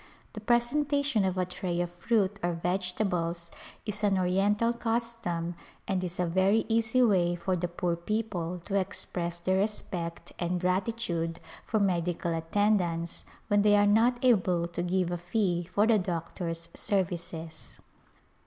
The presentation of a tray of fruit or vegetables is an oriental custom and is a very easy way for the poor [ 226] A Pilgrifnage people to express their respect and gratitude for med ical attendance when they are not able to give a fee for the doctor's services.